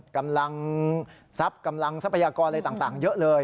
กำลังทรัพย์กำลังทรัพยากรอะไรต่างเยอะเลย